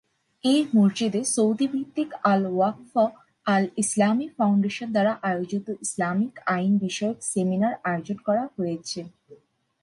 এই মসজিদে সৌদি ভিত্তিক আল-ওয়াকফ আল-ইসলামি ফাউন্ডেশন দ্বারা আয়োজিত ইসলামিক আইন বিষয়ক সেমিনার আয়োজন করা হয়েছে।